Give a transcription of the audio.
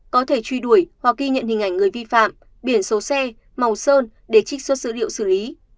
có thể truy đuổi hoặc ghi nhận hình ảnh người vi phạm biển số xe màu sơn để trích xuất dữ liệu xử lý